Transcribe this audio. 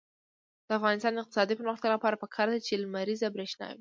د افغانستان د اقتصادي پرمختګ لپاره پکار ده چې لمریزه برښنا وي.